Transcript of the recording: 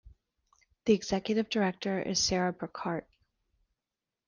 The Executive Director is Sarah Brookhart.